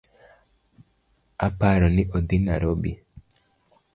Aparoni odhi narobi